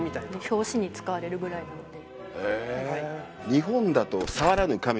表紙に使われるぐらいなので。